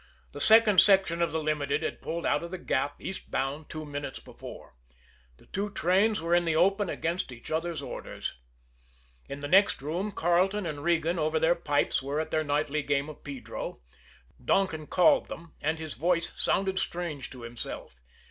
The second section of the Limited had pulled out of the Gap, eastbound, two minutes before. The two trains were in the open against each other's orders. In the next room, Carleton and Regan, over their pipes, were at their nightly game of pedro. Donkin called them and his voice sounded strange to himself.